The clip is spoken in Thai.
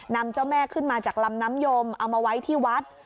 นำเจ้าแม่ขึ้นมาจากลำน้ำยมเอามาไว้ที่วัด